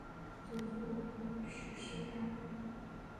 祖父许士蕃。